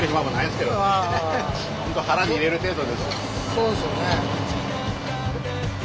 そうですよね。